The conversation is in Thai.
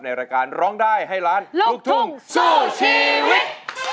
รายการร้องได้ให้ล้านลูกทุ่งสู้ชีวิต